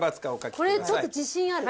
これちょっと自信ある。